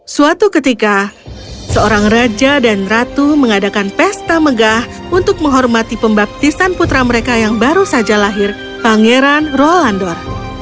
suatu ketika seorang raja dan ratu mengadakan pesta megah untuk menghormati pembaptisan putra mereka yang baru saja lahir pangeran rolandor